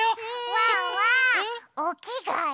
ワンワンおきがえ？